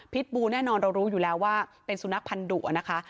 บูแน่นอนเรารู้อยู่แล้วว่าเป็นสุนัขพันธุนะคะ